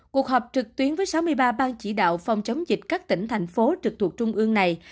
cuộc họp trực tuyến với sáu mươi ba ban chỉ đạo phòng chống dịch các tỉnh thành phố trực thuộc trung ương này